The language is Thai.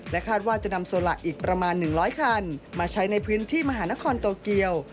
คาดว่าจะนำโซละอีกประมาณ๑๐๐คันมาใช้ในพื้นที่มหานครโตเกียว